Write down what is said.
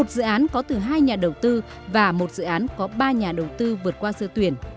một dự án có từ hai nhà đầu tư và một dự án có ba nhà đầu tư vượt qua sơ tuyển